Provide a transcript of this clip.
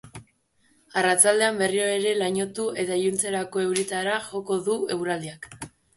Arratsaldean berriro ere lainotu eta iluntzerako euritara joko du eguraldiak.